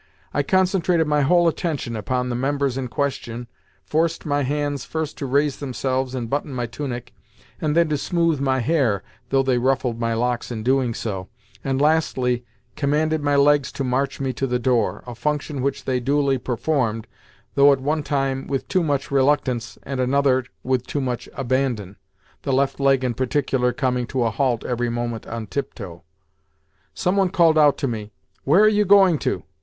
I concentrated my whole attention upon the members in question, forced my hands first to raise themselves and button my tunic, and then to smooth my hair (though they ruffled my locks in doing so), and lastly commanded my legs to march me to the door a function which they duly performed, though at one time with too much reluctance, and at another with too much ABANDON (the left leg, in particular, coming to a halt every moment on tiptoe). Some one called out to me, "Where are you going to?